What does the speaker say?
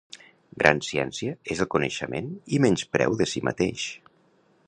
Gran ciència és el coneixement i menyspreu de si mateix.